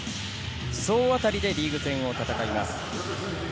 総当たりでリーグ戦を戦います。